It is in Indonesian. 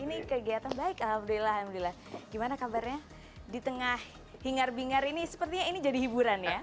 ini kegiatan baik alhamdulillah alhamdulillah gimana kabarnya di tengah hingar bingar ini sepertinya ini jadi hiburan ya